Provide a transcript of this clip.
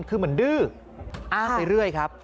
คือเหมือนดื้ออ้างไปเรื่อยครับ